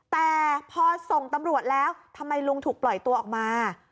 แต่พอส่งตำรวจแล้วทำไมลุงถูกปล่อยตัวออกมา